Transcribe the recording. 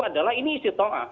adalah ini isi toa